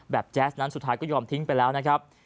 แจ๊สนั้นสุดท้ายก็ยอมทิ้งไปแล้วนะครับ